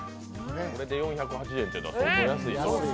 これで４８０円というのは相当安い。